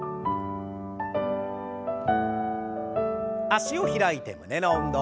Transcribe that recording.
脚を開いて胸の運動。